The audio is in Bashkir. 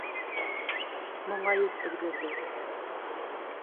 Моңайып өлгөрҙө.